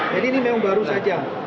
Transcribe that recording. jadi ini memang baru saja